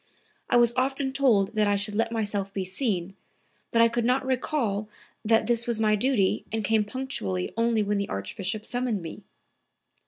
I was often told that I should let myself be seen, but I could not recall that this was my duty and came punctually only when the Archbishop summoned me."